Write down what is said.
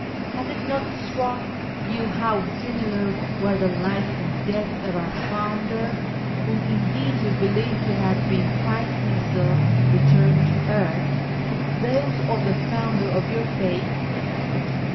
Has it not struck you how similar were the life and death of our Founder (whom, indeed, we believe to have been Christ Himself returned to earth) to those of the Founder of your faith